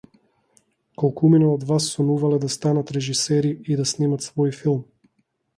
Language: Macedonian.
Колкумина од вас сонувале да станат режисери и да снимат свој филм?